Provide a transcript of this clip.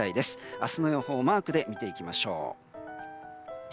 明日の予報をマークで見ていきましょう。